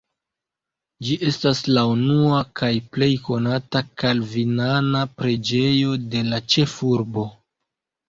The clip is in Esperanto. Ĝi estas la unua kaj plej konata kalvinana preĝejo de la ĉefurbo.